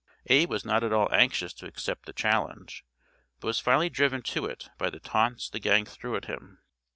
Abe was not at all anxious to accept the challenge, but was finally driven to it by the taunts the gang threw at him.